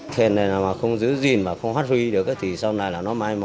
thế nên là không giữ gìn và không hoát huy được thì sau này là nó mai mộ